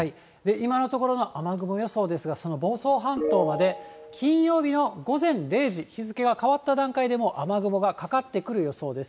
今のところの雨雲予想ですが、その房総半島まで、金曜日の午前０時、日付が変わった段階で、もう雨雲がかかってくる予想です。